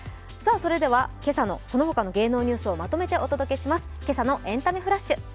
それでは今朝のそのほかの芸能ニュースをまとめてお届けします。